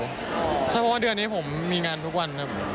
ใช่เพราะว่าเดือนนี้ผมมีงานทุกวัน